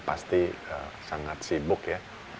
pasti sangat sibuk ya